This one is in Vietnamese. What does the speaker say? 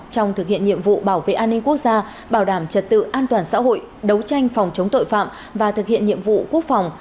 trong thực hiện nhiệm vụ bảo vệ an ninh quốc gia bảo đảm trật tự an toàn xã hội đấu tranh phòng chống tội phạm và thực hiện nhiệm vụ quốc phòng